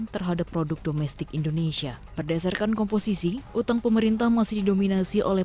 terhadap produk domestik indonesia berdasarkan komposisi utang pemerintah masih didominasi oleh